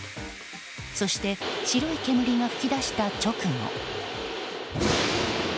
そして、白い煙が噴き出した直後。